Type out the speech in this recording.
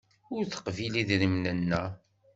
Ur teqbil idrimen-a.